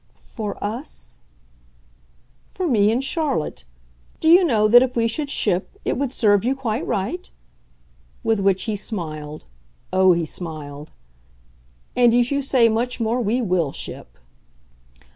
"For 'us' ?" "For me and Charlotte. Do you know that if we should ship, it would serve you quite right?" With which he smiled oh he smiled! "And if you say much more we WILL ship."